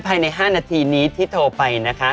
ภายใน๕นาทีนี้ที่โทรไปนะคะ